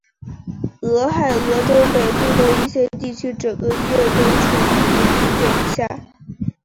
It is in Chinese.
俄亥俄州北部的一些地区整个月都处于冰点以下。